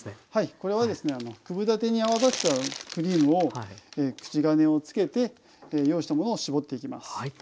これはですね九分立てに泡立てたクリームを口金をつけて用意したものを絞っていきます。